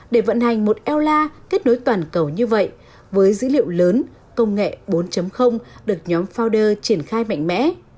để vận hành một ella kết nối toàn cầu như vậy với dữ liệu lớn công nghệ bốn được nhóm founder triển khai mạnh mẽ